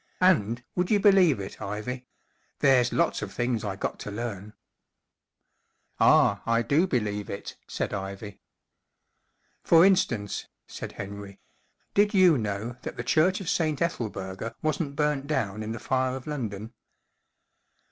And, w ould you believe it* Ivy ? there's lots of things I got to learn/' " Ah* I do believe it/' said Ivy, " For instance/' said Henry* M did you know that the church of St* Ethelburga wasn't burnt down in the Fire of London